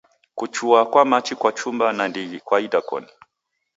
Kuchua kwa machi kwachumba nandighi kwa idakoni.